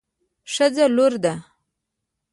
ښځه لور ده